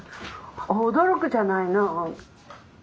驚くじゃないの。